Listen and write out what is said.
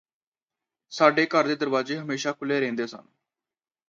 ਸਾਡੇ ਘਰ ਦੇ ਦਰਵਾਜ਼ੇ ਹਮੇਸ਼ਾ ਖੁੱਲ੍ਹੇ ਰਹਿੰਦੇ ਸਨ